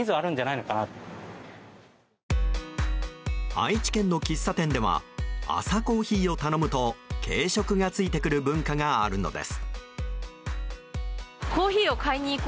愛知県の喫茶店では朝コーヒーを頼むと軽食がついてくる文化があるのです。